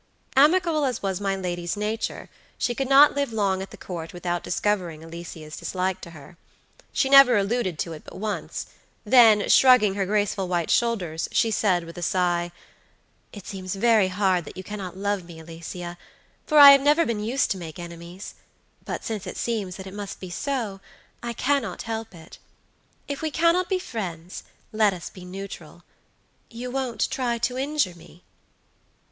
Amicable as was my lady's nature, she could not live long at the Court without discovering Alicia's dislike to her. She never alluded to it but once; then, shrugging her graceful white shoulders, she said, with a sigh: "It seems very hard that you cannot love me, Alicia, for I have never been used to make enemies; but since it seems that it must be so, I cannot help it. If we cannot be friends, let us be neutral. You won't try to injure me?"